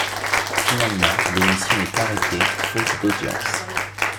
Finalement, l'émission est arrêtée, faute d'audience.